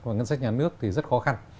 và ngân sách nhà nước thì rất khó khăn